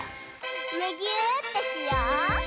むぎゅーってしよう！